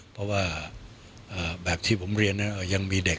เพราะว่าแบบที่ผมเรียนยังมีเด็ก